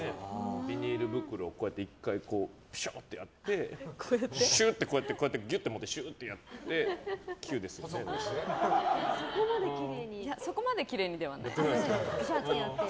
ビニール袋をこうやって１回ピシッてやってギュッて持ってシューッとやってそこまできれいにではない。